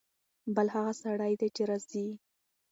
بل هغه سړی دی چې راځي.